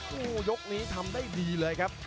โอ้โหยกนี้ทำได้ดีเลยครับ